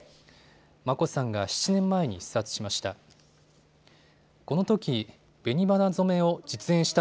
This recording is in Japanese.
眞子さんが７年前に視察しました。